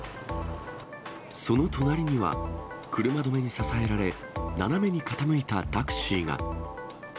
その隣には、車止めに支えられ、斜めに傾いたタクシーが。